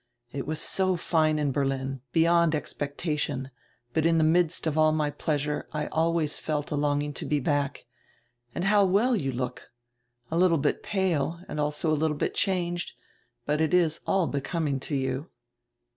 "It was so fine in Berlin, beyond expectation, but in die midst of all my pleasure I always felt a longing to be back. And how well you look! A littie bit pale and also a littie bit changed, but it is all becoming to you."